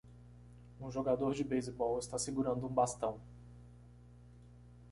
Um jogador de beisebol está segurando um bastão.